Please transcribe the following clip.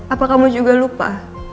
apa kamu juga lupa